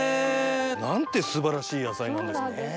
なんて素晴らしい野菜なんですか。